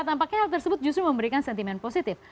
tampaknya hal tersebut justru memberikan sentimen positif